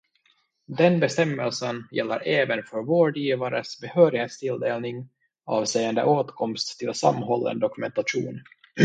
Den bestämmelsen gäller även för vårdgivares behörighetstilldelning avseende åtkomst till sammanhållen dokumentation.